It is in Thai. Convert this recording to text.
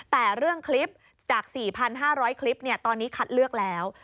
แต่เรื่องคลิปจาก๔๕๐๐คลิปตอนนี้คัดเลือกแล้ว